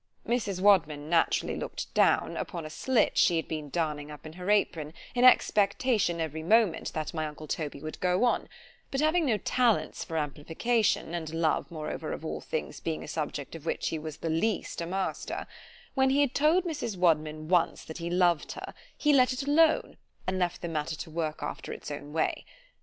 Mrs. Wadman naturally looked down, upon a slit she had been darning up in her apron, in expectation every moment, that my uncle Toby would go on; but having no talents for amplification, and Love moreover of all others being a subject of which he was the least a master——When he had told Mrs. Wadman once that he loved her, he let it alone, and left the matter to work after its own way.